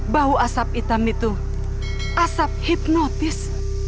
bau asap hitam itu asap hipnotis